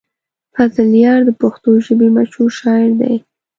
فضلیار د پښتو ژبې مشهور شاعر دی.